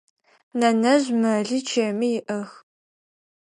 Нэнэжъ мэли чэми иӏэх.